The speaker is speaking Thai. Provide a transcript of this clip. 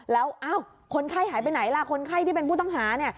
แล้วอ้าวคนไข้หายไปไหนละคนไข้ที่เป็นผู้ต้องหา